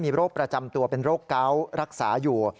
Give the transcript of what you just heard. มีโรคประจำตัวเป็นโรคเกาะรักษาอยู่